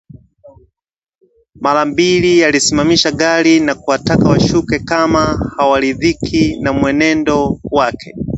Mara mbili alisimamisha gari na kuwataka washuke kama hawaridhiki na mwendo wake